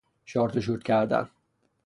شارت و شورت کردن